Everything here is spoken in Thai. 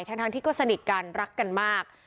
ทั้งที่ก็สนิทกันรักกันมาก